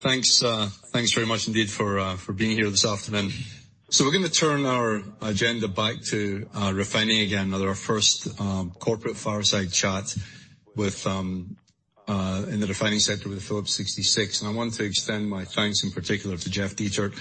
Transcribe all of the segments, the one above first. Thanks, thanks very much indeed for, for being here this afternoon. We're gonna turn our agenda back to refining again, our first corporate fireside chat with in the refining sector with Phillips 66. I want to extend my thanks in particular to Jeff Dietert,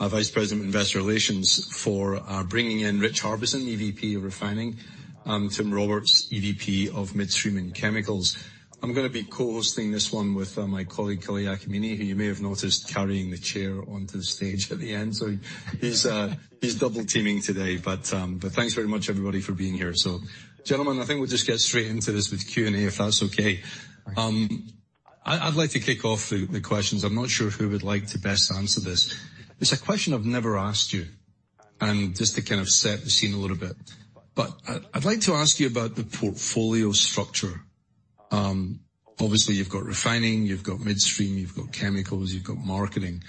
our Vice President of Investor Relations, for bringing in Rich Harbison, EVP of Refining, Tim Roberts, EVP of Midstream and Chemicals. I'm gonna be co-hosting this one with my colleague, Kalei Akamine, who you may have noticed carrying the chair onto the stage at the end. So he's, he's double teaming today, but, but thanks very much, everybody, for being here. Gentlemen, I think we'll just get straight into this with Q&A, if that's okay. I, I'd like to kick off the, the questions. I'm not sure who would like to best answer this. It's a question I've never asked you, and just to kind of set the scene a little bit, but I'd, I'd like to ask you about the portfolio structure. Obviously, you've got Refining, you've got Midstream, you've got Chemicals, you've got Marketing.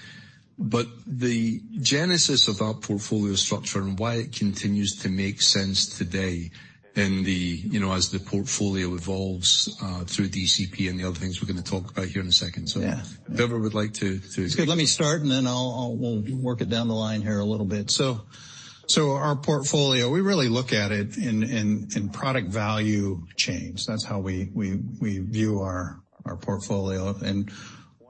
But the genesis of our portfolio structure and why it continues to make sense today in the, you know, as the portfolio evolves, through DCP and the other things we're gonna talk about here in a second. Yeah. Whoever would like to, Let me start, and then I'll, we'll work it down the line here a little bit. So, our portfolio, we really look at it in product value chains. That's how we view our portfolio. And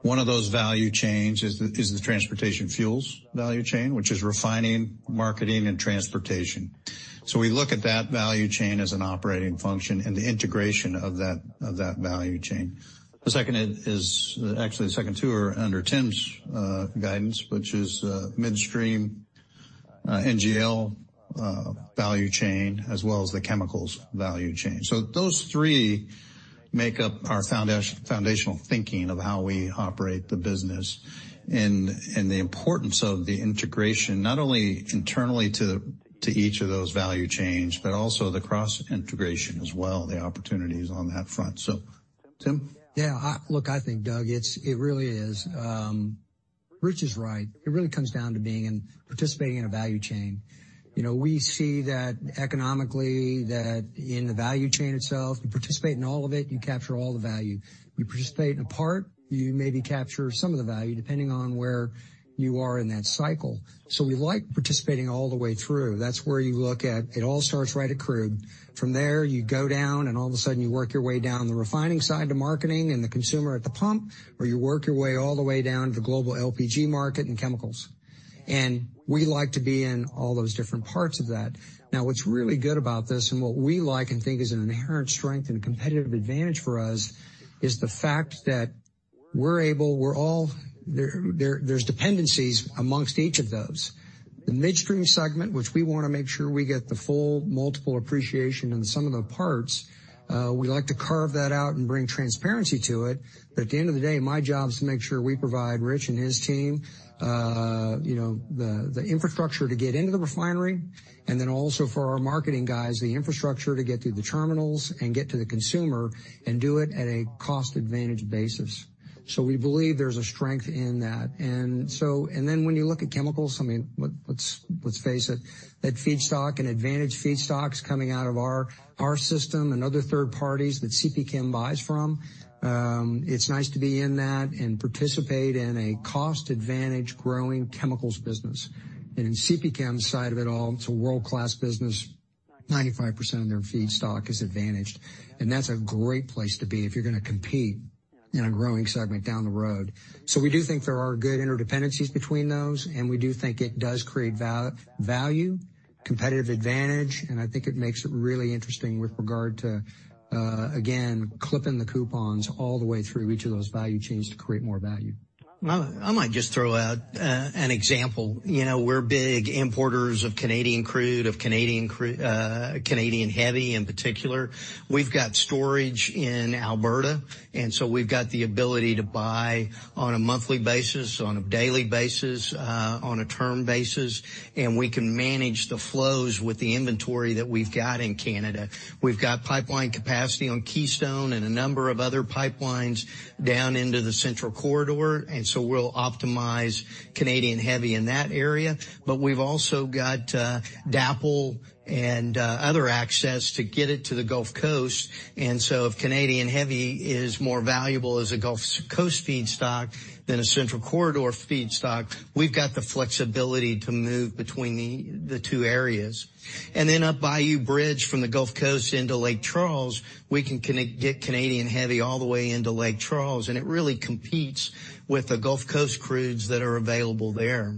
one of those value chains is the transportation fuels value chain, which is refining, marketing, and transportation. So we look at that value chain as an operating function, and the integration of that value chain. The second is, actually the second two are under Tim's guidance, which is midstream, NGL value chain, as well as the chemicals value chain. So those three make up our foundational thinking of how we operate the business and the importance of the integration, not only internally to each of those value chains, but also the cross-integration as well, the opportunities on that front. So, Tim? Yeah. Look, I think, Doug, it's, it really is... Rich is right. It really comes down to being and participating in a value chain. You know, we see that economically, that in the value chain itself, you participate in all of it, you capture all the value. You participate in a part, you maybe capture some of the value, depending on where you are in that cycle. So we like participating all the way through. That's where you look at, it all starts right at crude. From there, you go down, and all of a sudden you work your way down the refining side to marketing and the consumer at the pump, or you work your way all the way down to the global LPG market and chemicals. And we like to be in all those different parts of that. Now, what's really good about this, and what we like and think is an inherent strength and competitive advantage for us, is the fact that there's dependencies amongst each of those. The midstream segment, which we wanna make sure we get the full multiple appreciation in sum of the parts, we like to carve that out and bring transparency to it. But at the end of the day, my job is to make sure we provide Rich and his team, you know, the infrastructure to get into the refinery, and then also for our marketing guys, the infrastructure to get to the terminals and get to the consumer, and do it at a cost advantage basis. So we believe there's a strength in that. So, when you look at chemicals, I mean, let's face it, that feedstock and advantage feedstocks coming out of our system and other third parties that CPChem buys from, it's nice to be in that and participate in a cost-advantage growing chemicals business. And in CPChem's side of it all, it's a world-class business. 95% of their feedstock is advantaged, and that's a great place to be if you're gonna compete in a growing segment down the road. So we do think there are good interdependencies between those, and we do think it does create value, competitive advantage, and I think it makes it really interesting with regard to, again, clipping the coupons all the way through each of those value chains to create more value. I might just throw out an example. You know, we're big importers of Canadian crude, of Canadian heavy in particular. We've got storage in Alberta, and so we've got the ability to buy on a monthly basis, on a daily basis, on a term basis, and we can manage the flows with the inventory that we've got in Canada. We've got pipeline capacity on Keystone and a number of other pipelines down into the Central Corridor, and so we'll optimize Canadian heavy in that area. But we've also got DAPL and other access to get it to the Gulf Coast. And so if Canadian heavy is more valuable as a Gulf Coast feedstock than a Central Corridor feedstock, we've got the flexibility to move between the two areas. And then up Bayou Bridge from the Gulf Coast into Lake Charles, we can get Canadian heavy all the way into Lake Charles, and it really competes with the Gulf Coast crudes that are available there.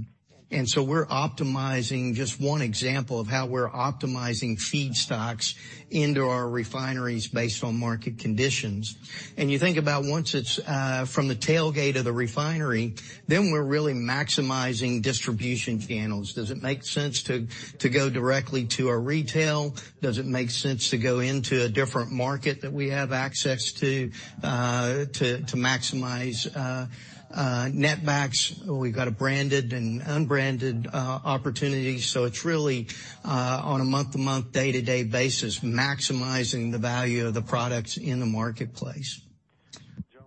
So we're optimizing just one example of how we're optimizing feedstocks into our refineries based on market conditions. And you think about once it's from the tailgate of the refinery, then we're really maximizing distribution channels. Does it make sense to go directly to our retail? Does it make sense to go into a different market that we have access to, to maximize netbacks? We've got a branded and unbranded opportunity. So it's really on a month-to-month, day-to-day basis, maximizing the value of the products in the marketplace.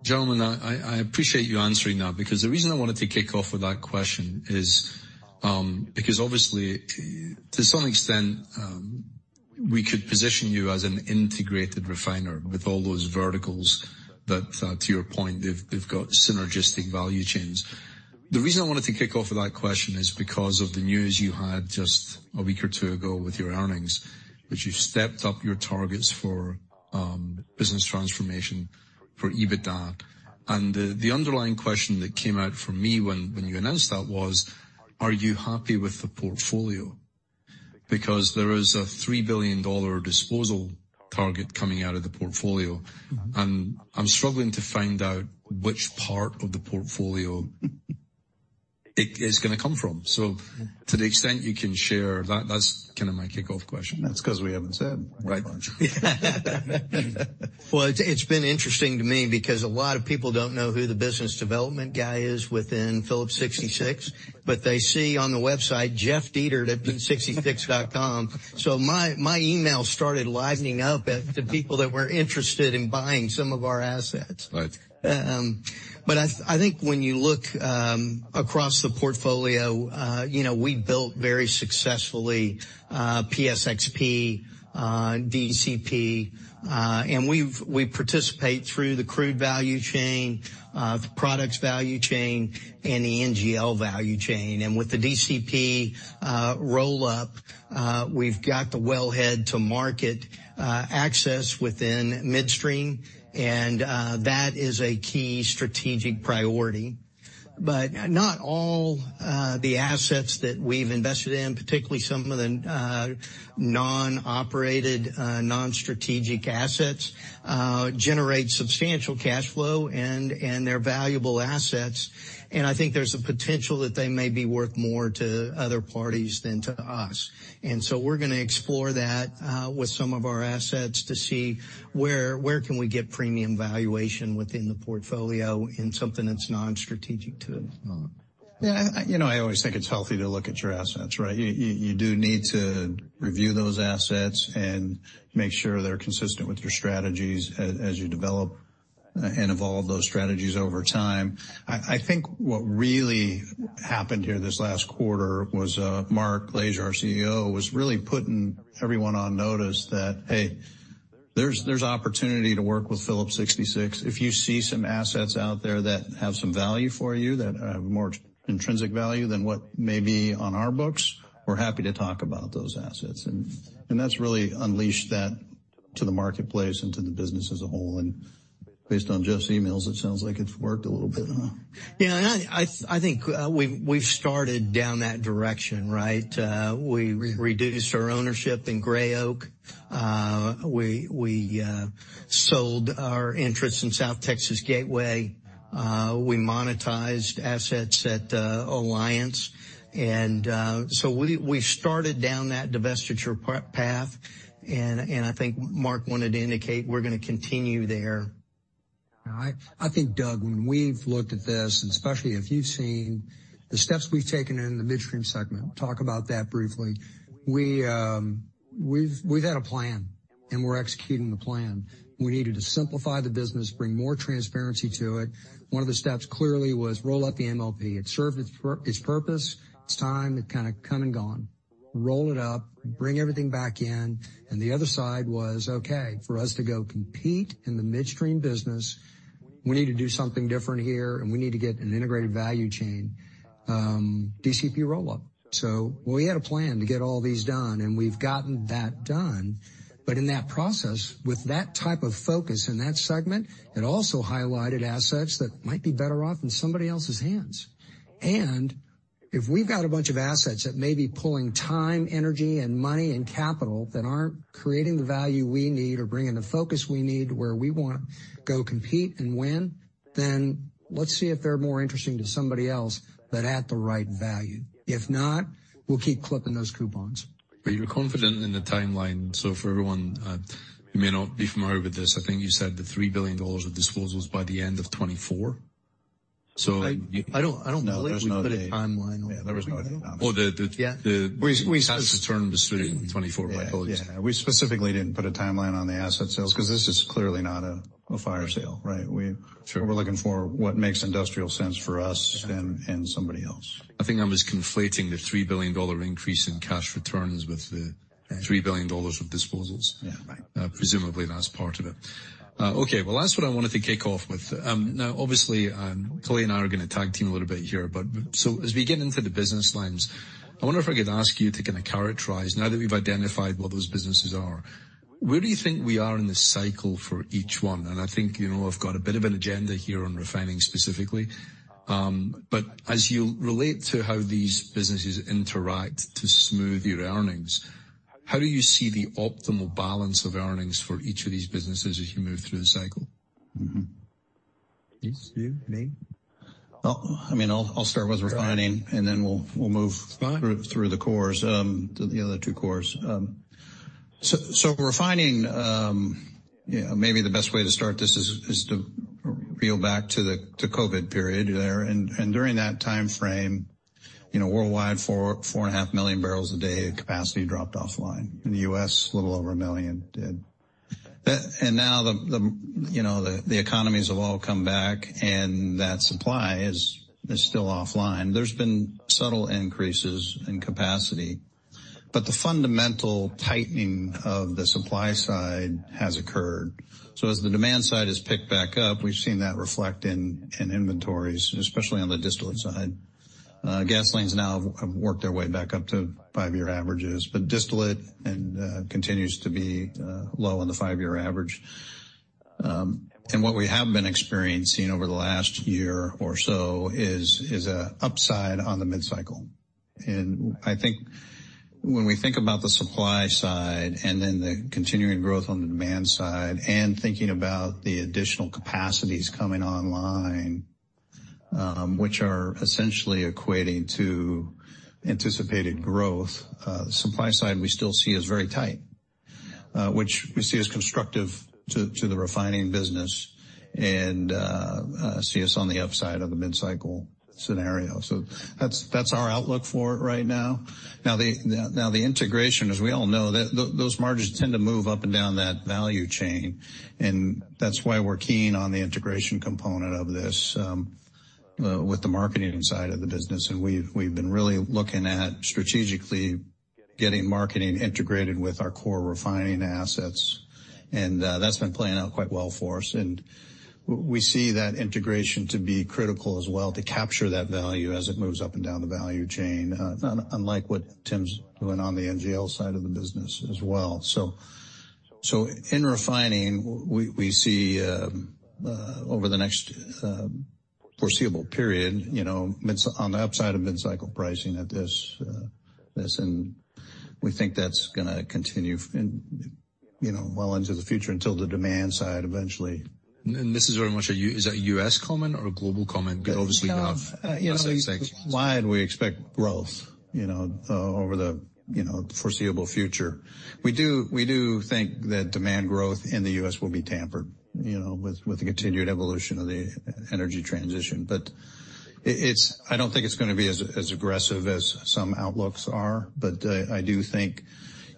Gentlemen, I appreciate you answering that, because the reason I wanted to kick off with that question is, because obviously, to some extent, we could position you as an integrated refiner with all those verticals that, to your point, they've got synergistic value chains. The reason I wanted to kick off with that question is because of the news you had just a week or two ago with your earnings, which you've stepped up your targets for, business transformation for EBITDA. The underlying question that came out for me when you announced that was: are you happy with the portfolio? Because there is a $3 billion disposal target coming out of the portfolio, and I'm struggling to find out which part of the portfolio it is gonna come from. So to the extent you can share, that's kinda my kickoff question. That's 'cause we haven't said much. Right. Well, it's been interesting to me because a lot of people don't know who the business development guy is within Phillips 66, but they see on the website jeffdietert@phillips66.com. So my email started livening up with the people that were interested in buying some of our assets. Right. But I think when you look across the portfolio, you know, we built very successfully PSXP, DCP, and we participate through the crude value chain, the products value chain, and the NGL value chain. And with the DCP roll-up, we've got the well head to market access within midstream, and that is a key strategic priority. But not all the assets that we've invested in, particularly some of the non-operated, non-strategic assets, generate substantial cash flow, and they're valuable assets, and I think there's a potential that they may be worth more to other parties than to us. And so we're gonna explore that with some of our assets to see where we can get premium valuation within the portfolio in something that's non-strategic to us. Yeah, you know, I always think it's healthy to look at your assets, right? You do need to review those assets and make sure they're consistent with your strategies as you develop and evolve those strategies over time. I think what really happened here this last quarter was, Mark Lashier, our CEO, was really putting everyone on notice that, "Hey, there's opportunity to work with Phillips 66. If you see some assets out there that have some value for you, that have more intrinsic value than what may be on our books, we're happy to talk about those assets." And that's really unleashed that to the marketplace and to the business as a whole, and based on just emails, it sounds like it's worked a little bit, huh? Yeah, and I think we've started down that direction, right? We re-reduced our ownership in Gray Oak. We sold our interest in South Texas Gateway. We monetized assets at Alliance. And so we started down that divestiture path, and I think Mark wanted to indicate we're gonna continue there. I think, Doug, when we've looked at this, and especially if you've seen the steps we've taken in the midstream segment, talk about that briefly. We've had a plan, and we're executing the plan. We needed to simplify the business, bring more transparency to it. One of the steps clearly was roll up the MLP. It served its purpose, it's time, it kind of come and gone. Roll it up, bring everything back in, and the other side was, okay, for us to go compete in the midstream business, we need to do something different here, and we need to get an integrated value chain, DCP roll-up. So we had a plan to get all these done, and we've gotten that done. But in that process, with that type of focus in that segment, it also highlighted assets that might be better off in somebody else's hands. And if we've got a bunch of assets that may be pulling time, energy, and money and capital that aren't creating the value we need or bringing the focus we need where we wanna go compete and win, then let's see if they're more interesting to somebody else, but at the right value. If not, we'll keep clipping those coupons. Are you confident in the timeline? So for everyone, you may not be familiar with this, I think you said the $3 billion of disposals by the end of 2024? So- I don't know. I don't believe we put a timeline on that. Yeah, there was no timeline. Well, the- Yeah. The return was through 2024, my apologies. Yeah. We specifically didn't put a timeline on the asset sales, 'cause this is clearly not a fire sale, right? We- Sure. We're looking for what makes industrial sense for us- Yeah. and somebody else. I think I'm just conflating the $3 billion increase in cash returns with the $3 billion of disposals. Yeah. Right. Presumably, that's part of it. Okay, well, that's what I wanted to kick off with. Now, obviously, Kalei and I are gonna tag team a little bit here, but so as we get into the business lines, I wonder if I could ask you to kinda characterize, now that we've identified what those businesses are, where do you think we are in the cycle for each one? I think, you know, I've got a bit of an agenda here on refining specifically. But as you relate to how these businesses interact to smooth your earnings, how do you see the optimal balance of earnings for each of these businesses as you move through the cycle? It's you, me? Well, I mean, I'll start with refining, and then we'll move- Fine. through, through the cores, to the other two cores. So, refining, you know, maybe the best way to start this is to peel back to the COVID period there, and during that time frame, you know, worldwide, 4-4.5 million barrels a day of capacity dropped offline. In the U.S., a little over 1 million did. And now, you know, the economies have all come back, and that supply is still offline. There's been subtle increases in capacity, but the fundamental tightening of the supply side has occurred. So as the demand side has picked back up, we've seen that reflect in inventories, especially on the distillate side. Gasolines now have worked their way back up to five-year averages, but distillate continues to be low on the five-year average. What we have been experiencing over the last year or so is an upside on the Mid-Cycle. I think when we think about the supply side and then the continuing growth on the demand side, and thinking about the additional capacities coming online, which are essentially equating to anticipated growth, the supply side, we still see as very tight, which we see as constructive to the refining business and see us on the upside of the Mid-Cycle scenario. So that's our outlook for it right now. Now the integration, as we all know, those margins tend to move up and down that value chain, and that's why we're keen on the integration component of this with the marketing side of the business. We've been really looking at strategically getting marketing integrated with our core refining assets, and that's been playing out quite well for us. We see that integration to be critical as well, to capture that value as it moves up and down the value chain, unlike what Tim's doing on the NGL side of the business as well. So in refining, we see over the next foreseeable period, you know, mid- on the upside of mid-cycle pricing at this, and we think that's gonna continue in, you know, well into the future until the demand side eventually. This is very much a... Is that a U.S. comment or a global comment? Because obviously you have- You know, why we expect growth, you know, over the foreseeable future. We do, we do think that demand growth in the US will be tempered, you know, with, with the continued evolution of the energy transition. But it, it's- I don't think it's gonna be as, as aggressive as some outlooks are, but, I do think,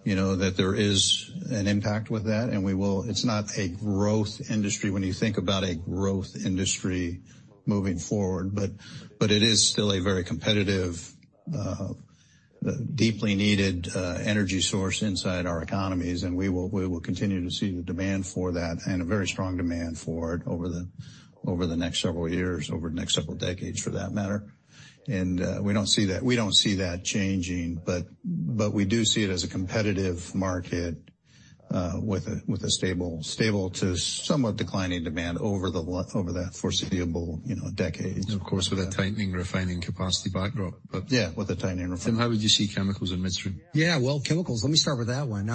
you know, that there is an impact with that, and we will... It's not a growth industry when you think about a growth industry moving forward, but, but it is still a very competitive, deeply needed, energy source inside our economies, and we will, we will continue to see the demand for that and a very strong demand for it over the, over the next several years, over the next several decades, for that matter. And, we don't see that, we don't see that changing. But we do see it as a competitive market, with a stable to somewhat declining demand over the foreseeable, you know, decades. Of course, with a tightening refining capacity backdrop, but- Yeah, with a tightening refining. Tim, how would you see Chemicals in Midstream? Yeah, well, chemicals, let me start with that one.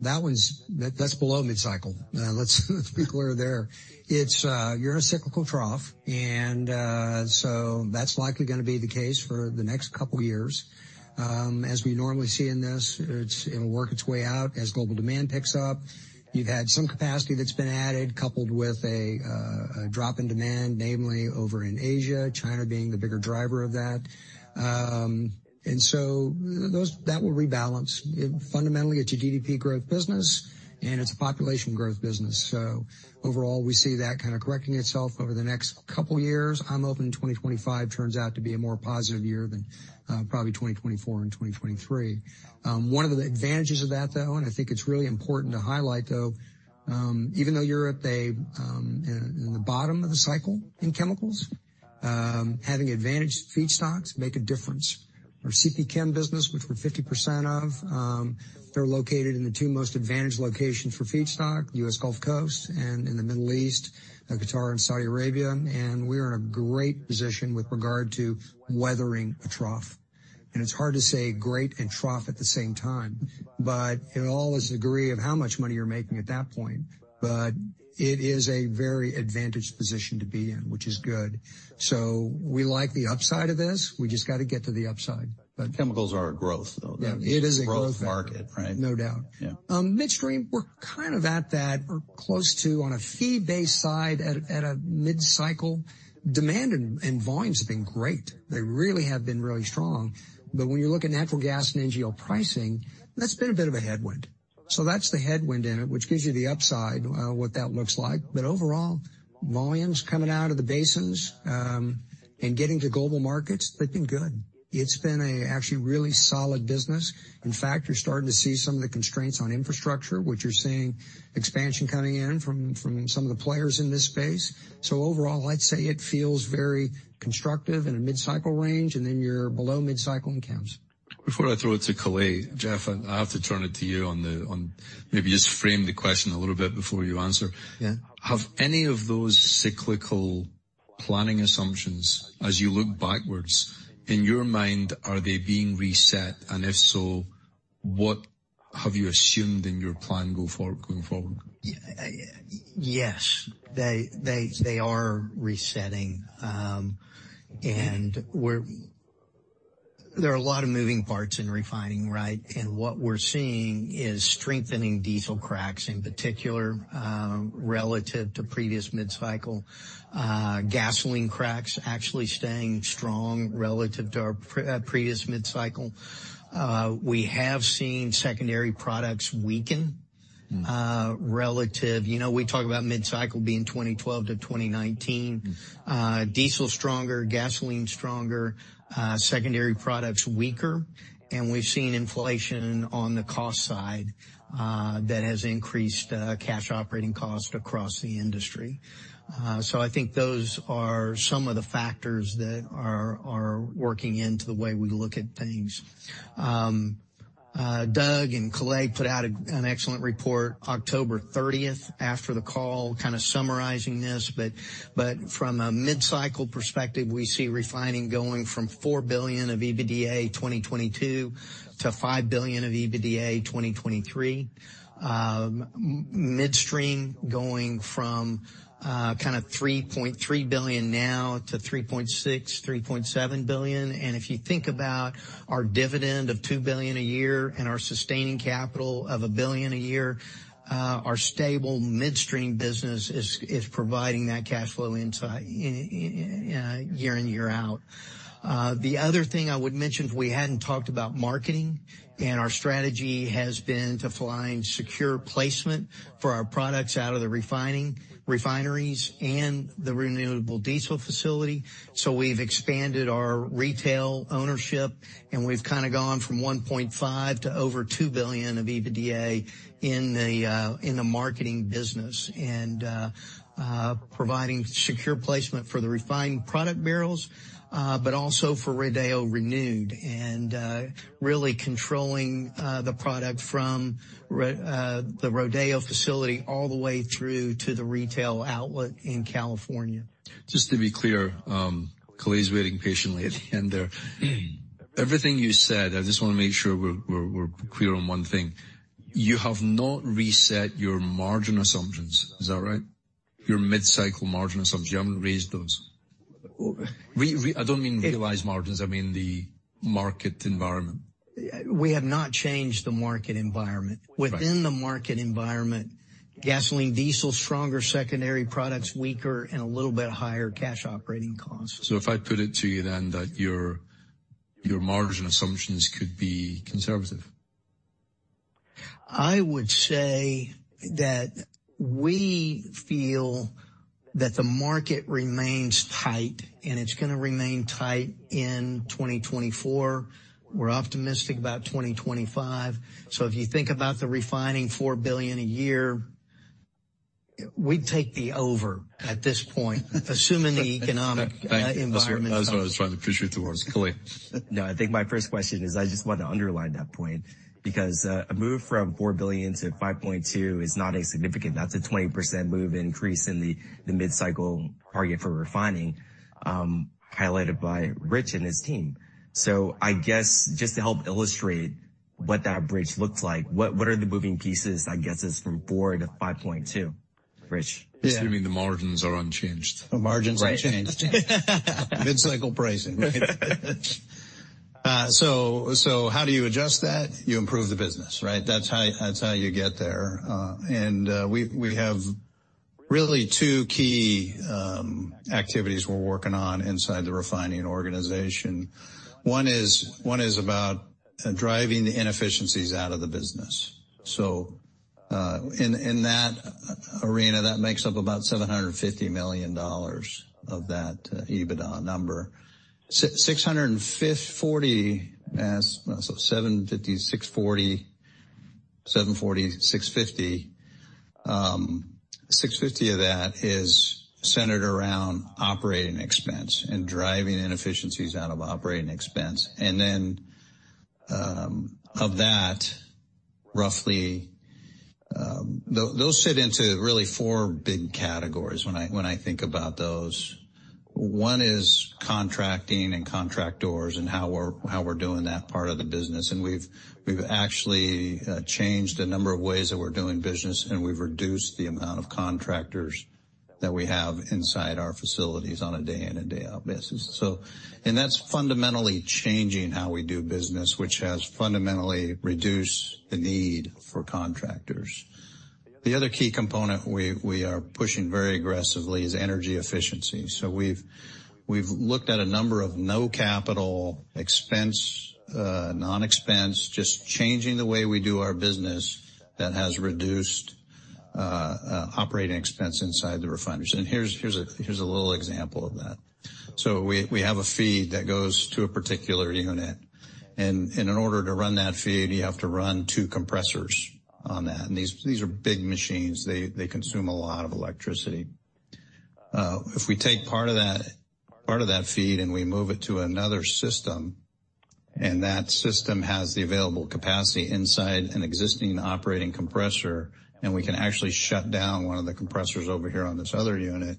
That's below mid-cycle. Let's be clear there. It's, you're in a cyclical trough, and so that's likely gonna be the case for the next couple years. As we normally see in this, it's, it'll work its way out as global demand picks up. You've had some capacity that's been added, coupled with a drop in demand, namely over in Asia, China being the bigger driver of that. And so that will rebalance. Fundamentally, it's a GDP growth business, and it's a population growth business. So overall, we see that kind of correcting itself over the next couple years. I'm hoping 2025 turns out to be a more positive year than probably 2024 and 2023. One of the advantages of that, though, and I think it's really important to highlight, though, even though you're in the bottom of the cycle in chemicals, having advantaged feedstocks make a difference. Our CPChem business, which we're 50% of, they're located in the two most advantaged locations for feedstock, U.S. Gulf Coast and in the Middle East, Qatar, and Saudi Arabia, and we are in a great position with regard to weathering a trough. And it's hard to say great and trough at the same time, but it all is a degree of how much money you're making at that point. But it is a very advantaged position to be in, which is good. So we like the upside of this. We just gotta get to the upside. Chemicals are a growth, though. It is a growth market. Right. No doubt. Yeah. Midstream, we're kind of at that or close to, on a fee-based side, at a mid-cycle. Demand and volumes have been great. They really have been really strong. But when you look at natural gas and NGL pricing, that's been a bit of a headwind. So that's the headwind in it, which gives you the upside, what that looks like. But overall, volumes coming out of the basins, and getting to global markets, they've been good. It's been actually really solid business. In fact, you're starting to see some of the constraints on infrastructure, which you're seeing expansion coming in from some of the players in this space. So overall, I'd say it feels very constructive in a mid-cycle range, and then you're below mid-cycle in chems. Before I throw it to Kalei, Jeff, I have to turn it to you. Maybe just frame the question a little bit before you answer. Yeah. Have any of those cyclical planning assumptions, as you look backwards, in your mind, are they being reset? And if so, what have you assumed in your plan go forward, going forward? Yes, they are resetting. There are a lot of moving parts in refining, right? And what we're seeing is strengthening diesel cracks in particular relative to previous mid-cycle. Gasoline cracks actually staying strong relative to our previous mid-cycle. We have seen secondary products weaken relative. You know, we talk about mid-cycle being 2012 to 2019. Diesel stronger, gasoline stronger, secondary products weaker, and we've seen inflation on the cost side that has increased cash operating cost across the industry. So I think those are some of the factors that are working into the way we look at things. Doug and Kalei put out an excellent report October 30 after the call, kind of summarizing this, but from a mid-cycle perspective, we see refining going from $4 billion of EBITDA 2022 to $5 billion of EBITDA 2023. Midstream going from kind of $3.3 billion now to $3.6-3.7 billion. And if you think about our dividend of $2 billion a year and our sustaining capital of $1 billion a year, our stable midstream business is providing that cash flow insight year in, year out. The other thing I would mention, we hadn't talked about marketing, and our strategy has been to find secure placement for our products out of the refineries and the renewable diesel facility. So we've expanded our retail ownership, and we've kind of gone from $1.5 billion to over $2 billion of EBITDA in the marketing business, and providing secure placement for the refined product barrels, but also for Rodeo Renewed. Really controlling the product from the Rodeo facility all the way through to the retail outlet in California. Just to be clear, Kalei's waiting patiently at the end there. Everything you said, I just want to make sure we're clear on one thing. You have not reset your margin assumptions. Is that right? Your mid-cycle margin assumptions, you haven't raised those. I don't mean realized margins, I mean the market environment. We have not changed the market environment. Right. Within the market environment, gasoline, diesel stronger, secondary products weaker, and a little bit higher cash operating costs. So if I put it to you then, that your, your margin assumptions could be conservative? I would say that we feel that the market remains tight, and it's going to remain tight in 2024. We're optimistic about 2025. So if you think about the refining $4 billion a year, we'd take the over at this point, assuming the economic environment. That's what I was trying to push you towards. Kalei? No, I think my first question is, I just want to underline that point, because a move from $4 billion to 5.2 billion is not insignificant. That's a 20% move increase in the mid-cycle target for refining, highlighted by Rich and his team. So I guess, just to help illustrate what that bridge looks like, what are the moving pieces that gets us from $4 billion to 5.2 billion, Rich? Yeah. Assuming the margins are unchanged. The margins are unchanged. Right. Mid-cycle pricing. So, so how do you adjust that? You improve the business, right? That's how, that's how you get there. We have really two key activities we're working on inside the refining organization. One is, one is about driving the inefficiencies out of the business. So, in that arena, that makes up about $750 million of that EBITDA number. So $750, 640, 74, $650. 650 of that is centered around operating expense and driving inefficiencies out of operating expense. And then, of that, roughly, those fit into really four big categories when I, when I think about those. One is contracting and contractors and how we're, how we're doing that part of the business. We've actually changed a number of ways that we're doing business, and we've reduced the amount of contractors that we have inside our facilities on a day in and day out basis. So, and that's fundamentally changing how we do business, which has fundamentally reduced the need for contractors. The other key component we are pushing very aggressively is energy efficiency. So we've looked at a number of no capital expense, non-expense, just changing the way we do our business that has reduced operating expense inside the refineries. And here's a little example of that. So we have a feed that goes to a particular unit, and in order to run that feed, you have to run two compressors on that. And these are big machines. They consume a lot of electricity. If we take part of that, part of that feed and we move it to another system, and that system has the available capacity inside an existing operating compressor, and we can actually shut down one of the compressors over here on this other unit,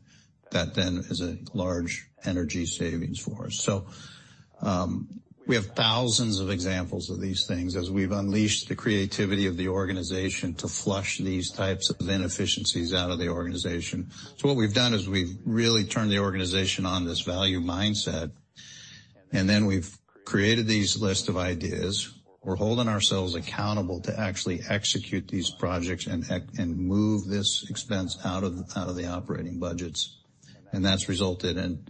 that then is a large energy savings for us. So, we have thousands of examples of these things as we've unleashed the creativity of the organization to flush these types of inefficiencies out of the organization. So what we've done is we've really turned the organization on this value mindset. And then we've created this list of ideas. We're holding ourselves accountable to actually execute these projects and act, and move this expense out of the, out of the operating budgets. And that's resulted in,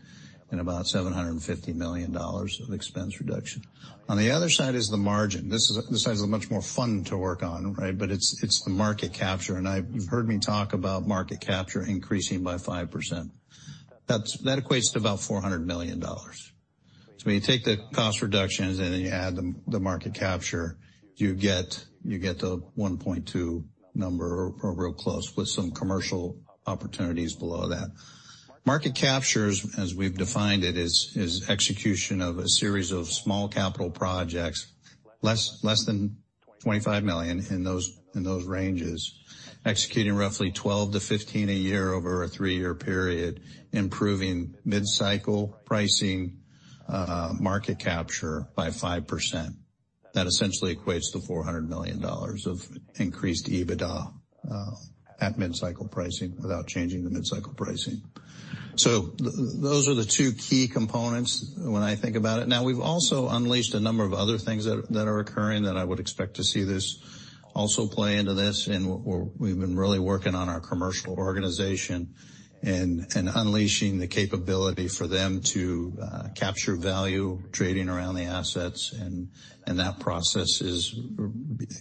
in about $750 million of expense reduction. On the other side is the margin. This is, this side is much more fun to work on, right? But it's, it's the market capture, and I—you've heard me talk about market capture increasing by 5%. That's, that equates to about $400 million. So when you take the cost reductions and then you add the, the market capture, you get, you get the $1.2 billion number or, or real close, with some commercial opportunities below that. Market capture, as, as we've defined it, is, is execution of a series of small capital projects, less, less than $25 million in those, in those ranges, executing roughly 12-15 a year over a three-year period, improving mid-cycle pricing, market capture by 5%. That essentially equates to $400 million of increased EBITDA at mid-cycle pricing without changing the mid-cycle pricing. So those are the two key components when I think about it. Now we've also unleashed a number of other things that are occurring that I would expect to see this also play into this, and we've been really working on our commercial organization and unleashing the capability for them to capture value, trading around the assets, and that process is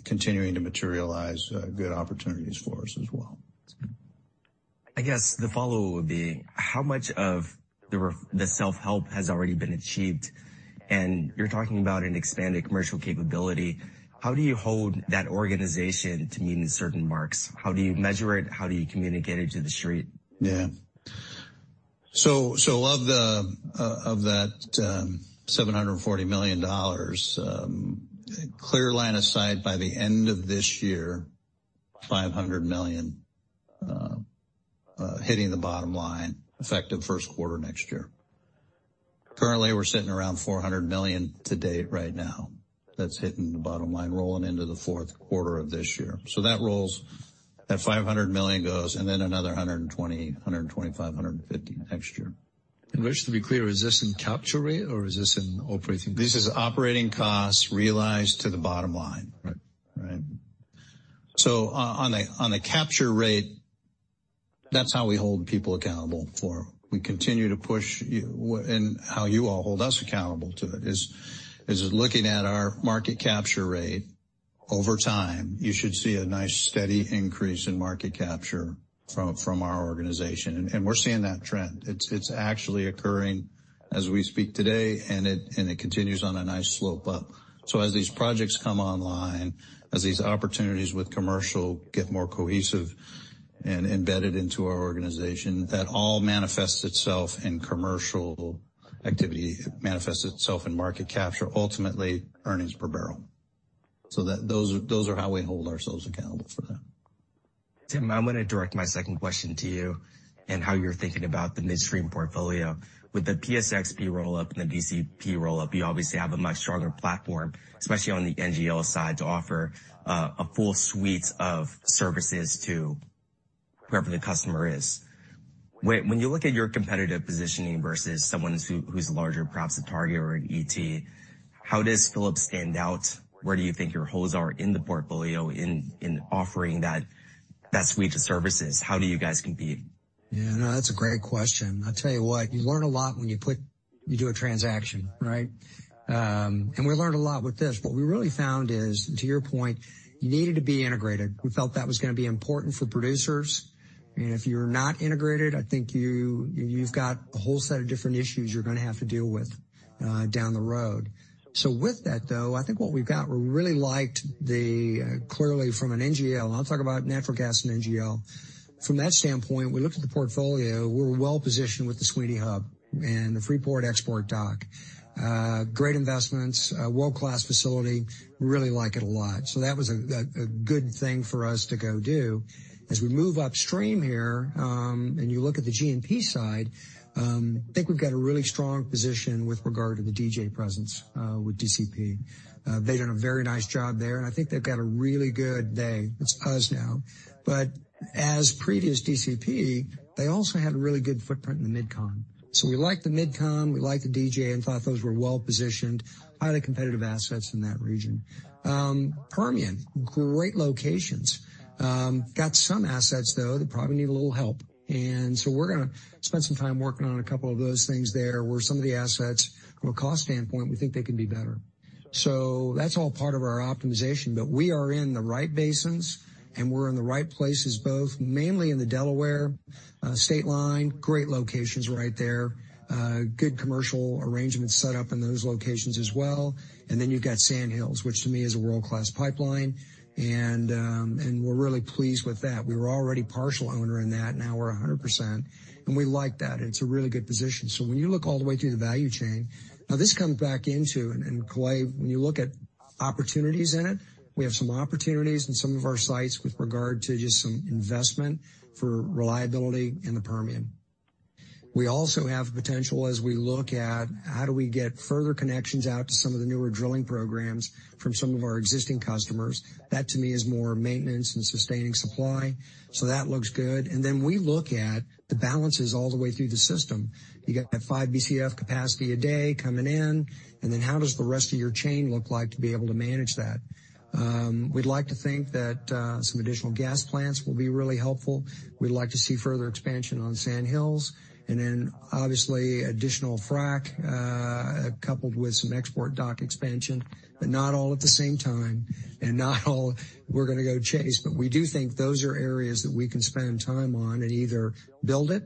continuing to materialize good opportunities for us as well. I guess the follow-up would be, how much of the self-help has already been achieved? And you're talking about an expanded commercial capability. How do you hold that organization to meeting certain marks? How do you measure it? How do you communicate it to the street? Yeah. So of that $740 million, clear line of sight by the end of this year, $500 million hitting the bottom line, effective first quarter next year. Currently, we're sitting around $400 million to date right now. That's hitting the bottom line, rolling into the fourth quarter of this year. So that rolls that $500 million goes, and then another $120, 125, 150 next year. Just to be clear, is this in capture rate or is this in operating? This is operating costs realized to the bottom line. Right. Right. So on the capture rate, that's how we hold people accountable for them. We continue to push and how you all hold us accountable to it is looking at our market capture rate. Over time, you should see a nice, steady increase in market capture from our organization, and we're seeing that trend. It's actually occurring as we speak today, and it continues on a nice slope up. So as these projects come online, as these opportunities with commercial get more cohesive and embedded into our organization, that all manifests itself in commercial activity. It manifests itself in market capture, ultimately, earnings per barrel. So that. Those are how we hold ourselves accountable for that. Tim, I'm gonna direct my second question to you and how you're thinking about the midstream portfolio. With the PSXP roll-up and the DCP roll-up, you obviously have a much stronger platform, especially on the NGL side, to offer a full suite of services to whoever the customer is. When you look at your competitive positioning versus someone who's larger, perhaps a Targa or an ET, how does Phillips stand out? Where do you think your holes are in the portfolio in offering that suite of services? How do you guys compete? Yeah, no, that's a great question. I'll tell you what, you learn a lot when you do a transaction, right? And we learned a lot with this. What we really found is, to your point, you needed to be integrated. We felt that was gonna be important for producers, and if you're not integrated, I think you, you've got a whole set of different issues you're gonna have to deal with down the road. So with that, though, I think what we've got, we really liked the clearly from an NGL, I'll talk about natural gas and NGL. From that standpoint, we looked at the portfolio. We're well-positioned with the Sweeny Hub and the Freeport export dock. Great investments, a world-class facility. We really like it a lot. So that was a good thing for us to go do. As we move upstream here, and you look at the NGL side, I think we've got a really strong position with regard to the DJ presence, with DCP. They've done a very nice job there, and I think they've got a really good play. It's us now. But as previous DCP, they also had a really good footprint in the MidCon. So we like the MidCon, we like the DJ, and thought those were well-positioned, highly competitive assets in that region. Permian, great locations. Got some assets, though, that probably need a little help, and so we're gonna spend some time working on a couple of those things there, where some of the assets, from a cost standpoint, we think they can be better. So that's all part of our optimization, but we are in the right basins, and we're in the right places, both mainly in the Delaware, State Line, great locations right there. Good commercial arrangements set up in those locations as well. And then you've got Sand Hills, which to me is a world-class pipeline, and, and we're really pleased with that. We were already partial owner in that, now we're 100%, and we like that. It's a really good position. So when you look all the way through the value chain, now this comes back into, and Kalei, when you look at opportunities in it, we have some opportunities in some of our sites with regard to just some investment for reliability in the Permian. We also have potential as we look at how do we get further connections out to some of the newer drilling programs from some of our existing customers. That, to me, is more maintenance and sustaining supply. So that looks good. And then we look at the balances all the way through the system. You got that 5 BCF capacity a day coming in, and then how does the rest of your chain look like to be able to manage that? We'd like to think that some additional gas plants will be really helpful. We'd like to see further expansion on Sand Hills, and then obviously additional frac, coupled with some export dock expansion, but not all at the same time, and not all we're gonna go chase. But we do think those are areas that we can spend time on and either build it,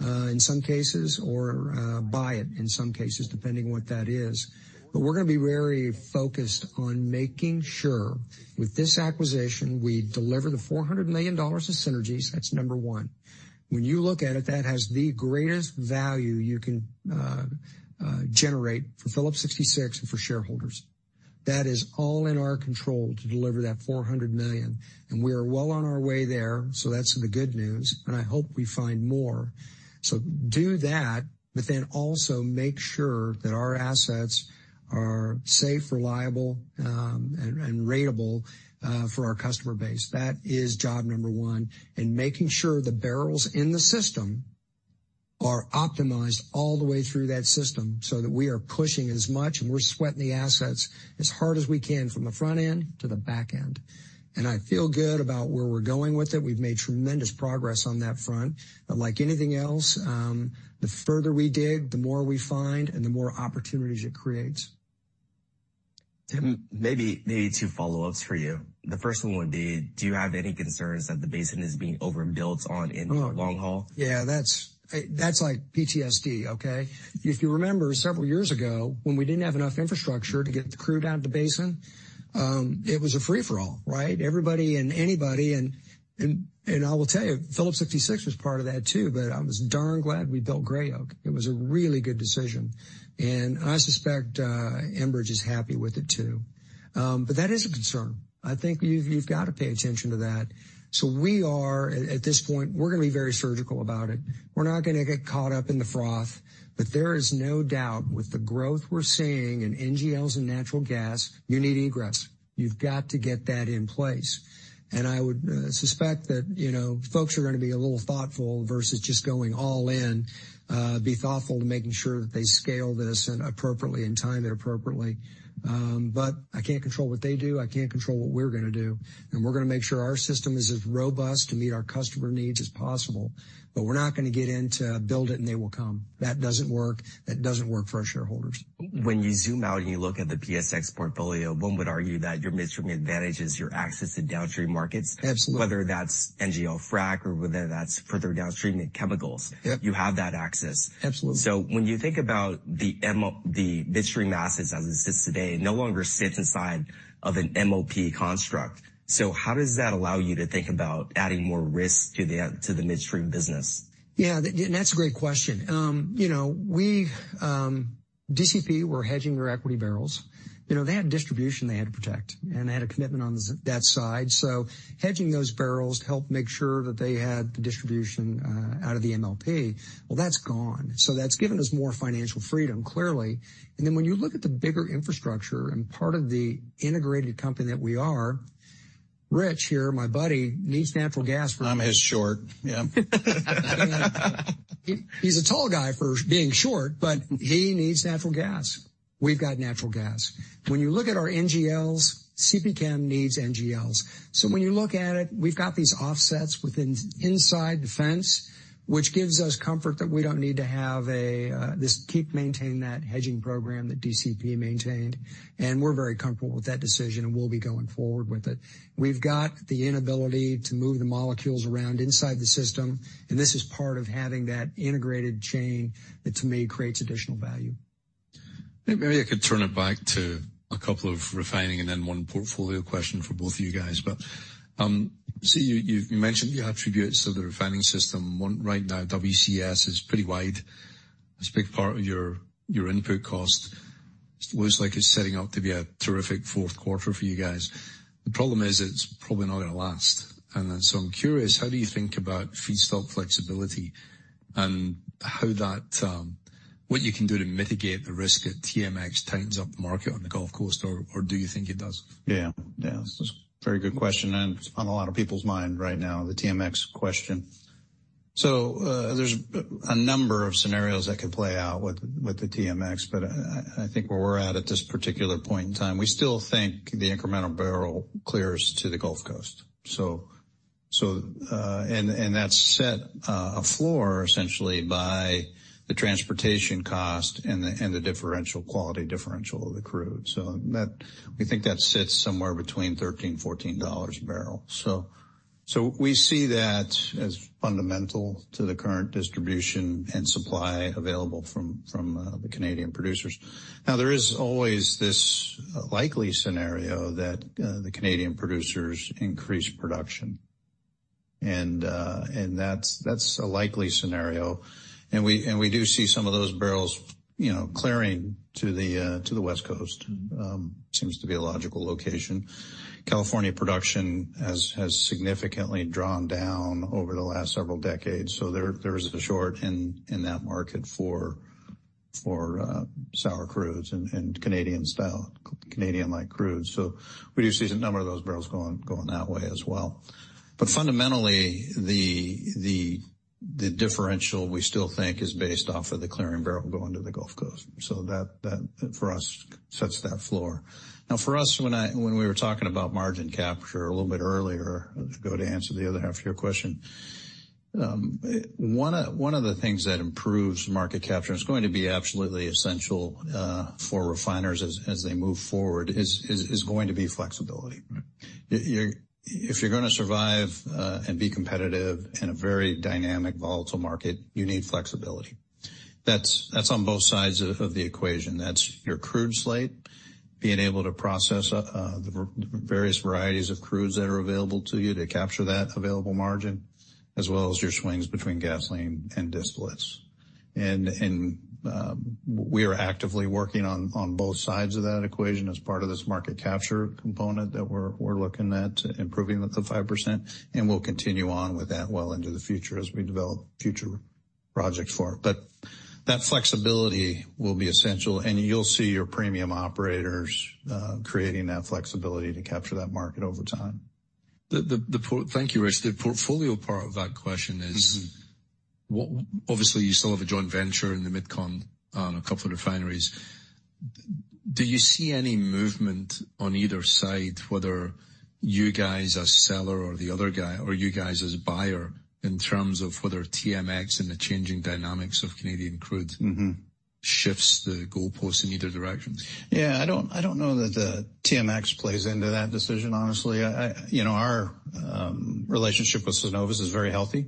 in some cases, or, buy it in some cases, depending on what that is. But we're gonna be very focused on making sure with this acquisition, we deliver the $400 million of synergies. That's number one. When you look at it, that has the greatest value you can generate for Phillips 66 and for shareholders. That is all in our control to deliver that $400 million, and we are well on our way there, so that's the good news, and I hope we find more. So do that, but then also make sure that our assets are safe, reliable, and ratable, for our customer base. That is job number one, and making sure the barrels in the system are optimized all the way through that system so that we are pushing as much, and we're sweating the assets as hard as we can from the front end to the back end. And I feel good about where we're going with it. We've made tremendous progress on that front. But like anything else, the further we dig, the more we find and the more opportunities it creates. Tim, maybe, maybe two follow-ups for you. The first one would be, do you have any concerns that the basin is being overbuilt on in the long haul? Yeah, that's like PTSD, okay? If you remember, several years ago, when we didn't have enough infrastructure to get the crude down to the basin, it was a free-for-all, right? Everybody and anybody, and I will tell you, Phillips 66 was part of that, too, but I was darn glad we built Gray Oak. It was a really good decision, and I suspect Enbridge is happy with it, too. But that is a concern. I think you've got to pay attention to that. So we are, at this point, we're gonna be very surgical about it. We're not gonna get caught up in the froth, but there is no doubt with the growth we're seeing in NGLs and natural gas, you need egress. You've got to get that in place. I would suspect that, you know, folks are gonna be a little thoughtful versus just going all in. Be thoughtful to making sure that they scale this appropriately and time it appropriately. But I can't control what they do. I can control what we're gonna do, and we're gonna make sure our system is as robust to meet our customer needs as possible, but we're not gonna get into build it and they will come. That doesn't work. That doesn't work for our shareholders. When you zoom out and you look at the PSX portfolio, one would argue that your midstream advantage is your access to downstream markets. Absolutely. Whether that's NGL frac or whether that's further downstream in chemicals- Yep. you have that access. Absolutely. So when you think about the midstream assets as it sits today, it no longer sits inside of an MLP construct. So how does that allow you to think about adding more risk to the midstream business? Yeah, that's a great question. You know, we, DCP were hedging their equity barrels. You know, they had distribution they had to protect, and they had a commitment on that side. So hedging those barrels helped make sure that they had the distribution out of the MLP. Well, that's gone. So that's given us more financial freedom, clearly. And then when you look at the bigger infrastructure and part of the integrated company that we are, Rich here, my buddy, needs natural gas. I'm his short. Yeah. He's a tall guy for being short, but he needs natural gas. We've got natural gas. When you look at our NGLs, CPChem needs NGLs. So when you look at it, we've got these offsets within inside the fence, which gives us comfort that we don't need to have a keep maintaining that hedging program that DCP maintained, and we're very comfortable with that decision, and we'll be going forward with it. We've got the ability to move the molecules around inside the system, and this is part of having that integrated chain that, to me, creates additional value. Maybe I could turn it back to a couple of refining and then one portfolio question for both of you guys. But, so you, you mentioned you have attributes to the refining system. One, right now, WCS is pretty wide. It's a big part of your, your input cost. Looks like it's setting up to be a terrific fourth quarter for you guys. The problem is, it's probably not going to last. And then, so I'm curious, how do you think about feedstock flexibility and how that... What you can do to mitigate the risk that TMX tightens up the market on the Gulf Coast, or, or do you think it does? Yeah, yeah, that's a very good question, and it's on a lot of people's mind right now, the TMX question. So, there's a number of scenarios that could play out with the TMX, but I think where we're at at this particular point in time, we still think the incremental barrel clears to the Gulf Coast. So, and that's set a floor essentially by the transportation cost and the differential quality, differential of the crude. So that—we think that sits somewhere between $13-14 a barrel. So, we see that as fundamental to the current distribution and supply available from the Canadian producers. Now, there is always this likely scenario that the Canadian producers increase production, and that's a likely scenario. And we do see some of those barrels-... You know, clearing to the West Coast seems to be a logical location. California production has significantly drawn down over the last several decades, so there's a shortage in that market for sour crudes and Canadian-style, Canadian-like crudes. So we do see a number of those barrels going that way as well. But fundamentally, the differential, we still think, is based off of the clearing barrel going to the Gulf Coast. So that, for us, sets that floor. Now, for us, when we were talking about market capture a little bit earlier, to answer the other half of your question. One of the things that improves market capture, and it's going to be absolutely essential for refiners as they move forward, is going to be flexibility. If you're gonna survive and be competitive in a very dynamic, volatile market, you need flexibility. That's on both sides of the equation. That's your crude slate, being able to process the various varieties of crudes that are available to you to capture that available margin, as well as your swings between gasoline and distillates. And we are actively working on both sides of that equation as part of this Market Capture component that we're looking at improving the 5%, and we'll continue on with that well into the future as we develop future projects for it. But that flexibility will be essential, and you'll see your premium operators creating that flexibility to capture that market over time. Thank you, Rich. The portfolio part of that question is obviously, you still have a joint venture in the MidCon on a couple of refineries. Do you see any movement on either side, whether you guys as seller or the other guy, or you guys as buyer, in terms of whether TMX and the changing dynamics of Canadian crude shifts the goalpost in either direction? Yeah, I don't know that the TMX plays into that decision, honestly. I, you know, our relationship with Cenovus is very healthy.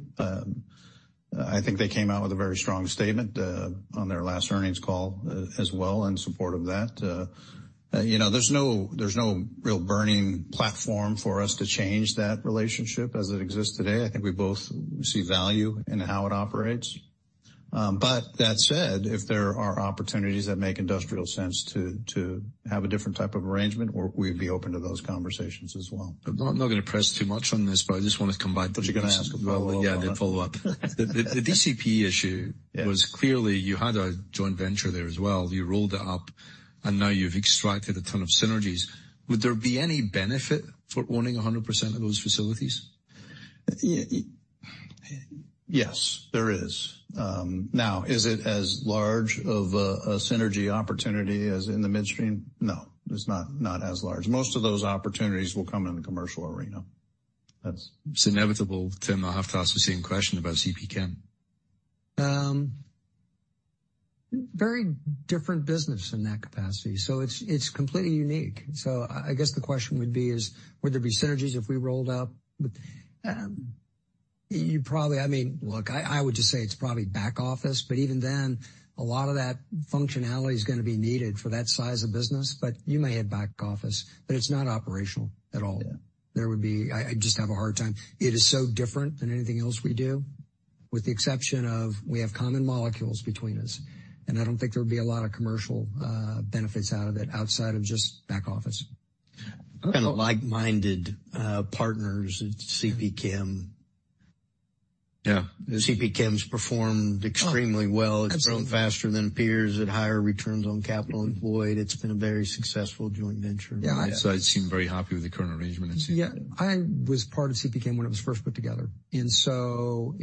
I think they came out with a very strong statement on their last earnings call as well in support of that. You know, there's no real burning platform for us to change that relationship as it exists today. I think we both see value in how it operates. But that said, if there are opportunities that make industrial sense to have a different type of arrangement, we'd be open to those conversations as well. I'm not gonna press too much on this, but I just want to come back- Thought you were gonna ask about follow-up. Yeah, I did follow up. The DCP issue was clearly you had a joint venture there as well. You rolled it up, and now you've extracted a ton of synergies. Would there be any benefit for owning 100% of those facilities? Yeah. Yes, there is. Now, is it as large of a synergy opportunity as in the midstream? No, it's not, not as large. Most of those opportunities will come in the commercial arena. It's inevitable, Tim. I'll have to ask the same question about CPChem. Very different business in that capacity, so it's, it's completely unique. So I guess the question would be is, would there be synergies if we rolled out? You probably... I mean, look, I, I would just say it's probably back office, but even then, a lot of that functionality is gonna be needed for that size of business. But you may have back office, but it's not operational at all. Yeah. There would be. I just have a hard time. It is so different than anything else we do, with the exception of we have common molecules between us, and I don't think there would be a lot of commercial benefits out of it outside of just back office. Kind of like-minded partners at CPChem. Yeah. CPChem's performed extremely well. Absolutely. It's grown faster than peers at higher returns on capital employed. It's been a very successful joint venture. Yeah, so I seem very happy with the current arrangement, it seems. Yeah. I was part of CPChem when it was first put together, and so,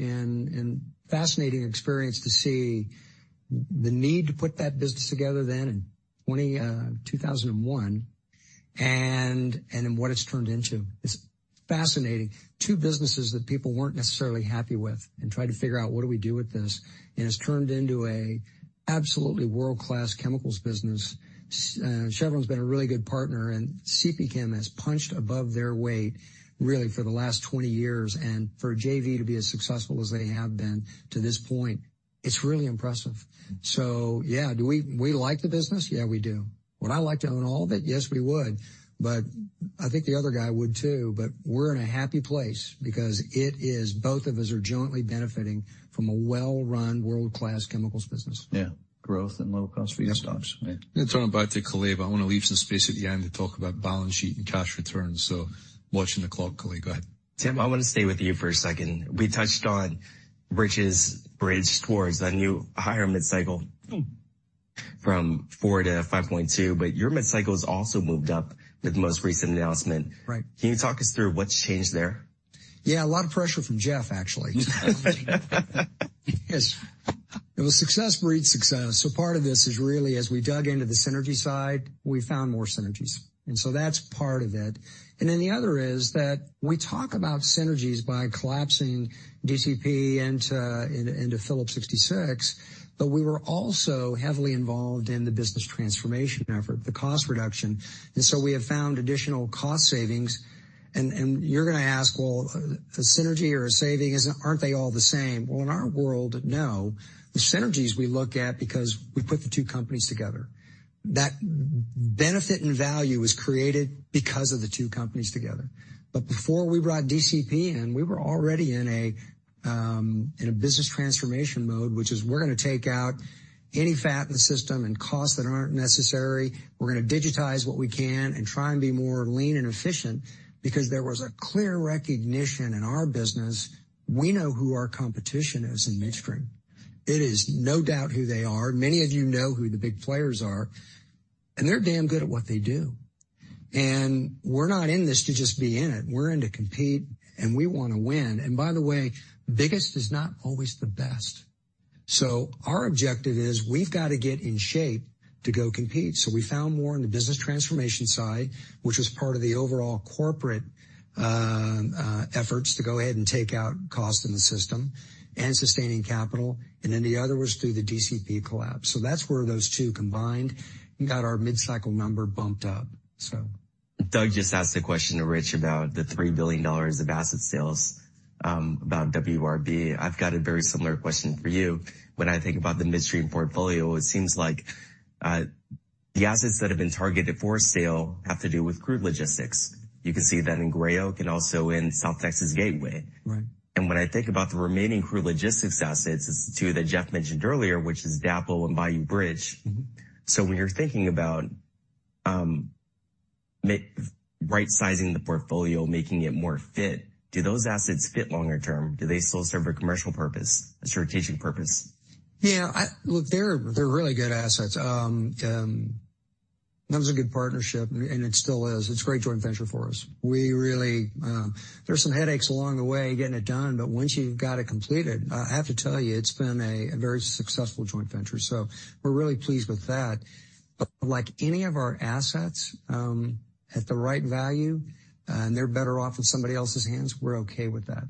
fascinating experience to see the need to put that business together then in 2001, and what it's turned into. It's fascinating. Two businesses that people weren't necessarily happy with and tried to figure out, what do we do with this? And it's turned into a absolutely world-class chemicals business. Chevron's been a really good partner, and CPChem has punched above their weight, really, for the last 20 years. And for a JV to be as successful as they have been to this point, it's really impressive. So yeah. Do we like the business? Yeah, we do. Would I like to own all of it? Yes, we would, but I think the other guy would, too. We're in a happy place because it is, both of us are jointly benefiting from a well-run, world-class chemicals business. Yeah. Growth and low-cost feedstocks. Yeah. Let's turn back to Kalei. I want to leave some space at the end to talk about balance sheet and cash returns. So watching the clock, Kalei, go ahead. Tim, I want to stay with you for a second. We touched on Rich's bridge towards a new higher mid-cycle from 4 to 5.2, but your mid-cycle has also moved up with the most recent announcement. Right. Can you talk us through what's changed there? Yeah, a lot of pressure from Jeff, actually. Yes. It was success breeds success. So part of this is really as we dug into the synergy side, we found more synergies, and so that's part of it. And then the other is that we talk about synergies by collapsing DCP into, into Phillips 66, but we were also heavily involved in the business transformation effort, the cost reduction. And so we have found additional cost savings, and you're gonna ask, well, a synergy or a saving, isn't - aren't they all the same? Well, in our world, no. The synergies we look at because we put the two companies together. That benefit and value was created because of the two companies together. But before we brought DCP in, we were already in a-... In a business transformation mode, which is we're gonna take out any fat in the system and costs that aren't necessary. We're gonna digitize what we can and try and be more lean and efficient because there was a clear recognition in our business, we know who our competition is in midstream. It is no doubt who they are. Many of you know who the big players are, and they're damn good at what they do. We're not in this to just be in it. We're in to compete, and we want to win. By the way, biggest is not always the best. Our objective is, we've got to get in shape to go compete. We found more on the business transformation side, which was part of the overall corporate efforts to go ahead and take out cost in the system and sustaining capital, and then the other was through the DCP collab. So that's where those two combined and got our mid-cycle number bumped up. So- Doug just asked a question to Rich about the $3 billion of asset sales, about WRB. I've got a very similar question for you. When I think about the midstream portfolio, it seems like, the assets that have been targeted for sale have to do with crude logistics. You can see that in Gray Oak and also in South Texas Gateway. Right. When I think about the remaining crude logistics assets, it's the two that Jeff mentioned earlier, which is DAPL and Bayou Bridge.So when you're thinking about right-sizing the portfolio, making it more fit, do those assets fit longer term? Do they still serve a commercial purpose, a strategic purpose? Yeah, I-- look, they're, they're really good assets. That was a good partnership, and it still is. It's a great joint venture for us. We really, there were some headaches along the way getting it done, but once you've got it completed, I have to tell you, it's been a very successful joint venture. So we're really pleased with that. But like any of our assets, at the right value, and they're better off in somebody else's hands, we're okay with that.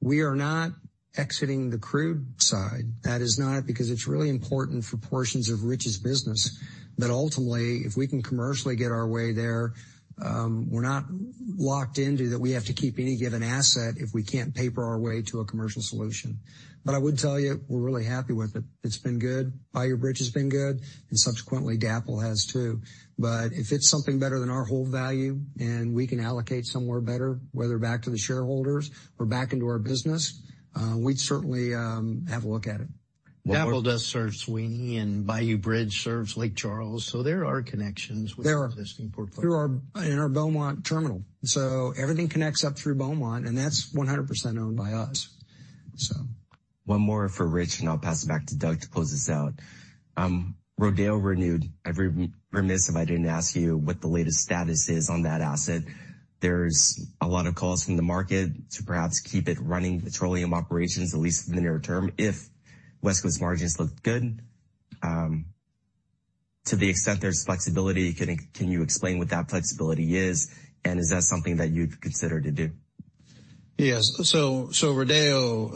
We are not exiting the crude side. That is not... Because it's really important for portions of Rich's business, that ultimately, if we can commercially get our way there, we're not locked into that we have to keep any given asset if we can't paper our way to a commercial solution. But I would tell you, we're really happy with it. It's been good. Bayou Bridge has been good, and subsequently, DAPL has, too. But if it's something better than our whole value and we can allocate somewhere better, whether back to the shareholders or back into our business, we'd certainly have a look at it. DAPL does serve Sweeny and Bayou Bridge serves Lake Charles, so there are connections- There are. With the existing portfolio. In our Beaumont terminal. So everything connects up through Beaumont, and that's 100% owned by us. So- One more for Rich, and I'll pass it back to Doug to close this out. Rodeo Renewed. I'd be remiss if I didn't ask you what the latest status is on that asset. There's a lot of calls from the market to perhaps keep it running petroleum operations, at least for the near term, if West Coast margins look good. To the extent there's flexibility, can you explain what that flexibility is, and is that something that you'd consider to do? Yes. So, so Rodeo,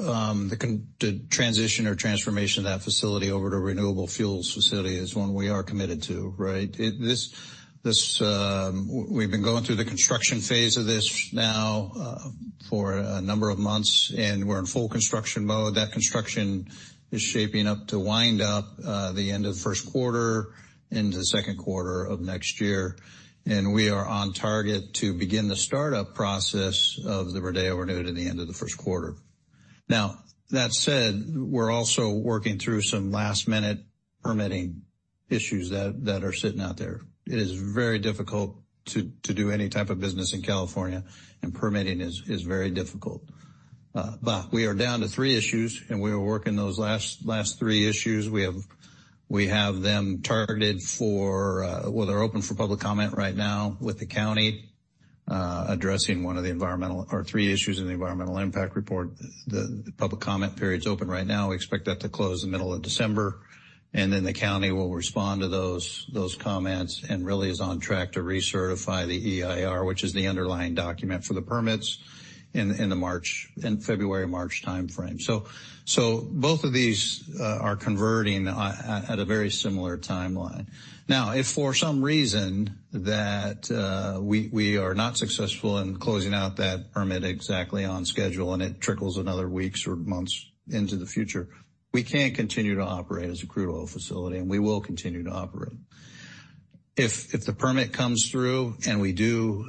the the transition or transformation of that facility over to renewable fuels facility is one we are committed to, right? It- this, this... We've been going through the construction phase of this now, for a number of months, and we're in full construction mode. That construction is shaping up to wind up, the end of the first quarter into the second quarter of next year, and we are on target to begin the startup process of the Rodeo Renewed at the end of the first quarter. Now, that said, we're also working through some last-minute permitting issues that, that are sitting out there. It is very difficult to, to do any type of business in California, and permitting is, is very difficult. But we are down to three issues, and we are working those last, last three issues. We have them targeted for. Well, they're open for public comment right now with the county addressing one of the environmental or three issues in the environmental impact report. The public comment period is open right now. We expect that to close in the middle of December, and then the county will respond to those comments and really is on track to recertify the EIR, which is the underlying document for the permits in the February-March timeframe. So both of these are converting at a very similar timeline. Now, if for some reason that we are not successful in closing out that permit exactly on schedule and it trickles another weeks or months into the future, we can continue to operate as a crude oil facility, and we will continue to operate. If the permit comes through and we do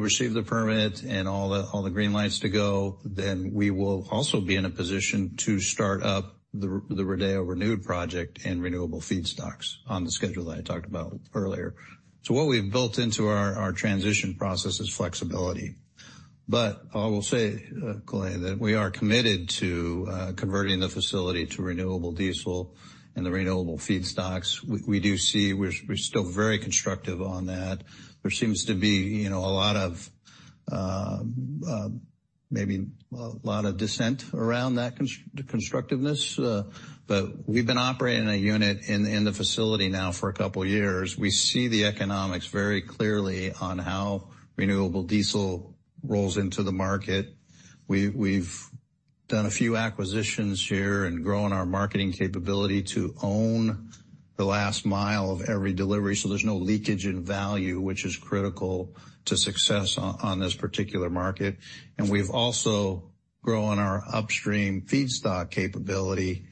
receive the permit and all the green lights to go, then we will also be in a position to start up the Rodeo Renewed project and renewable feedstocks on the schedule that I talked about earlier. So what we've built into our transition process is flexibility. But I will say, Clay, that we are committed to converting the facility to renewable diesel and the renewable feedstocks. We do see—we're still very constructive on that. There seems to be, you know, a lot of maybe a lot of dissent around that constructiveness, but we've been operating a unit in the facility now for a couple of years. We see the economics very clearly on how renewable diesel rolls into the market. We, we've done a few acquisitions here and grown our marketing capability to own the last mile of every delivery, so there's no leakage in value, which is critical to success on this particular market. And we've also grown our upstream feedstock capability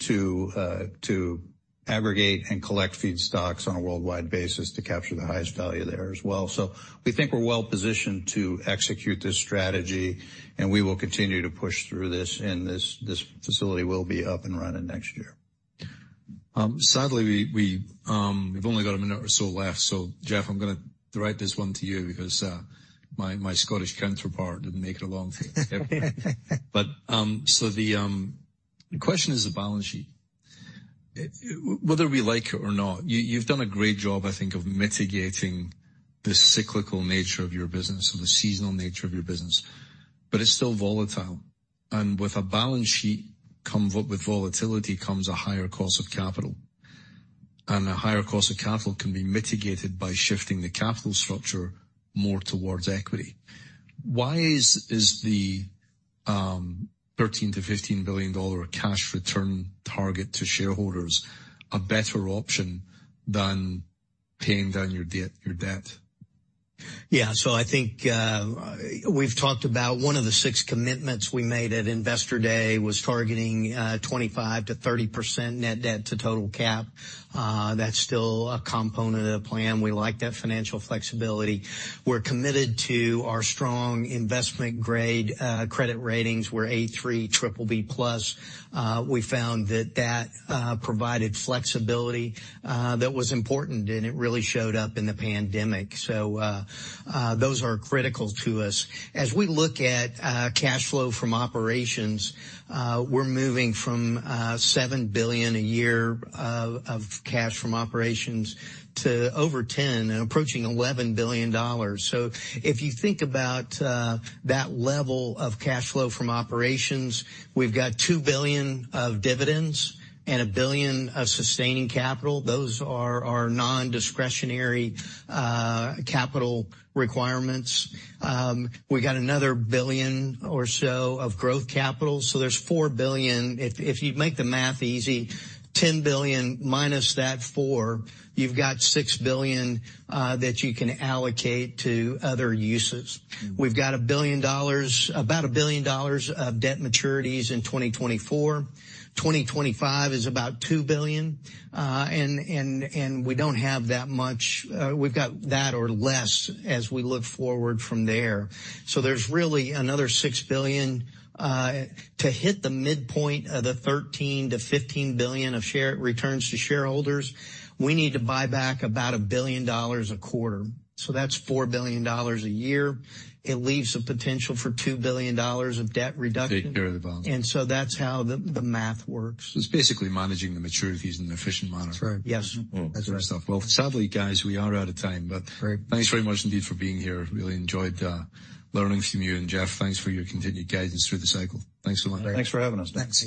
to aggregate and collect feedstocks on a worldwide basis to capture the highest value there as well. So we think we're well positioned to execute this strategy, and we will continue to push through this, and this facility will be up and running next year. Sadly, we've only got a minute or so left. So Jeff, I'm gonna direct this one to you because my Scottish counterpart didn't make it along. But the question is the balance sheet. Whether we like it or not, you've done a great job, I think, of mitigating the cyclical nature of your business or the seasonal nature of your business, but it's still volatile. And with a balance sheet comes volatility, and a higher cost of capital can be mitigated by shifting the capital structure more towards equity. Why is the $13 billion-15 billion cash return target to shareholders a better option than paying down your debt? Yeah. So I think, we've talked about one of the six commitments we made at Investor Day was targeting 25%-30% net debt to total cap. That's still a component of the plan. We like that financial flexibility. We're committed to our strong investment-grade credit ratings. We're A3/BBB+. We found that provided flexibility that was important, and it really showed up in the pandemic. So, those are critical to us. As we look at cash flow from operations, we're moving from $7 billion a year of cash from operations to over $10 billion and approaching $11 billion. So if you think about that level of cash flow from operations, we've got $2 billion of dividends and $1 billion of sustaining capital. Those are our non-discretionary capital requirements. We got another $1 billion or so of growth capital, so there's $4 billion. If you make the math easy, $10 billion minus that $4 billion, you've got $6 billion that you can allocate to other uses. We've got $1 billion, about 1 billion of debt maturities in 2024. 2025 is about $2 billion. And we don't have that much. We've got that or less as we look forward from there. So there's really another $6 billion. To hit the midpoint of the $13 billion-15 billion of share returns to shareholders, we need to buy back about $1 billion a quarter. So that's $4 billion a year. It leaves a potential for $2 billion of debt reduction. Take care of the balance. That's how the math works. It's basically managing the maturities in an efficient manner. That's right. Yes. Well, good stuff. Well, sadly, guys, we are out of time, but- Great. Thanks very much indeed for being here. Really enjoyed learning from you. Jeff, thanks for your continued guidance through the cycle. Thanks a lot. Thanks for having us. Thanks.